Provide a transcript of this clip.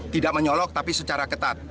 tidak menyolok tapi secara ketat